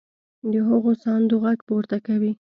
د هغو ساندو غږ پورته کوي.